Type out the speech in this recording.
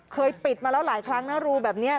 เคยปิดมาแล้วหลายครั้งนะรูแบบนี้